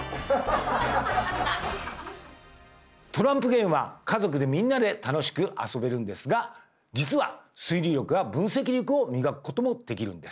トランプゲームは家族でみんなで楽しく遊べるんですが実は推理力や分析力を磨くこともできるんです！